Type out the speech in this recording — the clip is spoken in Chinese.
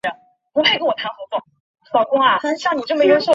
所有其他族群的年轻组别所占的百分比则比较大。